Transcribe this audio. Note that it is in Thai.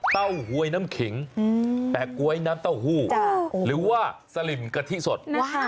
หวยน้ำขิงแต่ก๊วยน้ำเต้าหู้หรือว่าสลิมกะทิสด